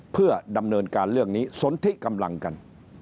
เพื่อดำเนินการเรื่องนี้สนทิกำลังกัน